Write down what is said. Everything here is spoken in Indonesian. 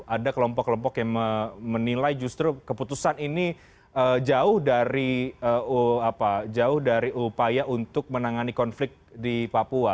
ada kelompok kelompok yang menilai justru keputusan ini jauh dari upaya untuk menangani konflik di papua